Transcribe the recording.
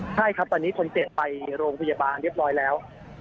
ใช่ครับตอนนี้คนเจ็บไปโรงพยาบาลเรียบร้อยแล้ว